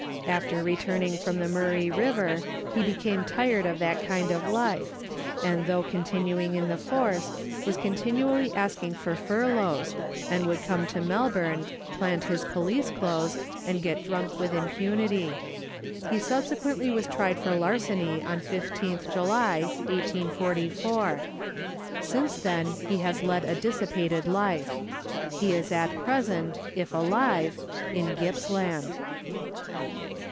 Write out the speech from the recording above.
After returning from the Murray River, he became tired of that kind of life, and, though continuing in the force, was continually asking for furloughs, and would come to Melbourne, plant his police clothes, and get drunk with impunity ; '70 . Letters from Victorian Piomers. he subsequently was tried for larceny on 15th July 1844. Since then he has led a dissipated life. He is at present (if alive) in Gippsland.